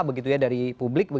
begitu ya dari publik